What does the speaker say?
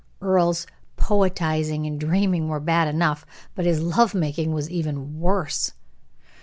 Earle's poetizing and dreaming were bad enough, but his love making was even worse!